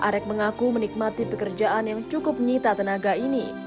arek mengaku menikmati pekerjaan yang cukup menyita tenaga ini